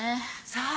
さぁ？